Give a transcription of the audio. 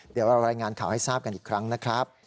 เดี๋ยวเรารายงานข่าวให้ทราบกันอีกครั้งนะครับ